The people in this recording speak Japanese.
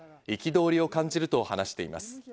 憤りを感じると話しています。